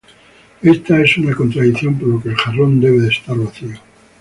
Esto es una contradicción, por lo que el jarrón debe estar vacío.